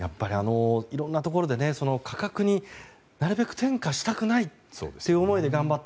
いろいろなところで価格になるべく転嫁したくないっていう思いで頑張っ